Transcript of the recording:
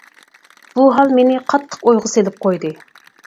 بۇ ھال مېنى قاتتىق ئويغا سېلىپ قويدى.